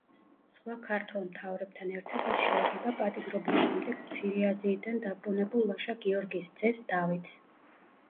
სხვა ქართველ მთავრებთან ერთად ის შეეგება პატიმრობის შემდეგ მცირე აზიიდან დაბრუნებულ ლაშა-გიორგის ძეს დავითს.